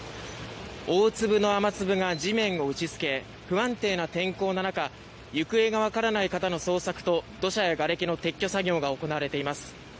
大粒の雨粒が地面を打ちつけ不安定な天候の中行方がわからない方の捜索と土砂やがれきの撤去作業が行われています。